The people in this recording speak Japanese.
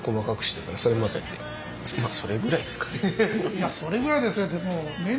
いや「それぐらいですね」